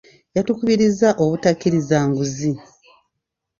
Yatukubirizza obutakkiriza nguzi.